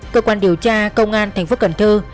cơ quan điều tra công an tp cần thơ